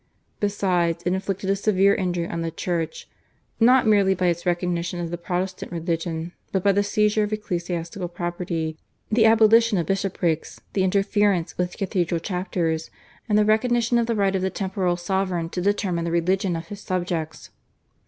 Besides, it inflicted a severe injury on the Church not merely by its recognition of the Protestant religion, but by the seizure of ecclesiastical property, the abolition of bishoprics, the interference with cathedral chapters, and the recognition of the right of the temporal sovereign to determine the religion of his subjects.